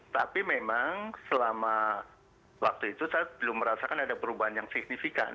tapi memang selama waktu itu saya belum merasakan ada perubahan yang signifikan